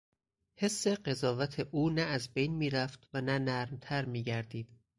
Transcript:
حس قضاوت او نه از بین میرفت و نه نرمتر میگردید.